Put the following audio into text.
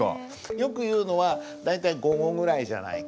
よく言うのは大体午後ぐらいじゃないか。